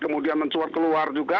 kemudian mencuat keluar juga